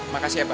makasih ya pak